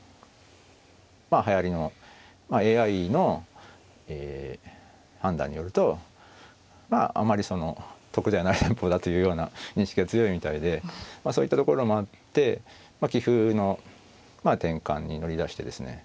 はやりのＡＩの判断によるとまああんまり得じゃない戦法だというような認識が強いみたいでそういったところもあって棋風の転換に乗り出してですね